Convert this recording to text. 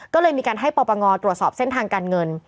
ก็เลยมีการให้ปปงตรวจสอบเส้นทางการเงิน